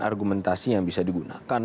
argumentasi yang bisa digunakan